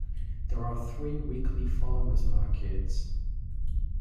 There are three weekly farmers' markets.